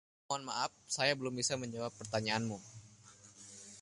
Mohon maaf, saya belum bisa menjawab pertanyaanmu.